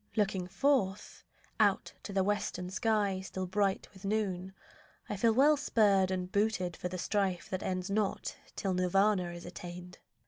Looking forth, Out to the western sky still bright with noon, I feel well spurred and booted for the strife That ends not till Nirvana is attained.